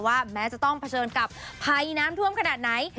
แม้จะต้องเผชิญกับภัยน้ำท่วมขนาดไหน